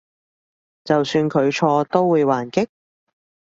就算佢錯都會還擊？